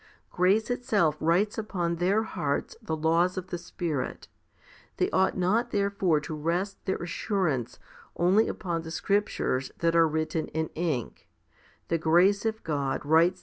2 Grace itself writes upon their hearts the laws of the Spirit. They ought not therefore to rest their assurance only upon the scriptures that are written in ink; the grace of God 1 Ps.